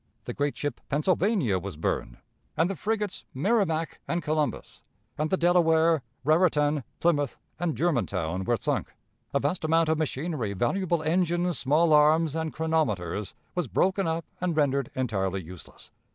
The great ship Pennsylvania was burned, and the frigates Merrimac and Columbus, and the Delaware, Raritan, Plymouth, and Germantown were sunk. A vast amount of machinery, valuable engines, small arms, and chronometers, was broken up and rendered entirely useless.